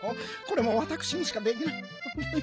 これもわたくしにしかできない。